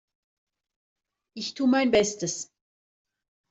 Ich tu mein Bestes.